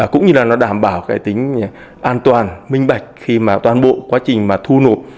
cũng như là nó đảm bảo cái tính an toàn minh bạch khi mà toàn bộ quá trình mà thu nộp